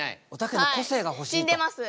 はい死んでます。